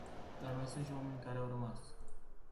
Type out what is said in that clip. Dar mai sunt și oameni care au rămas.